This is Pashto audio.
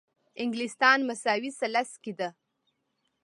انګلستان مساوي ثلث کې ده.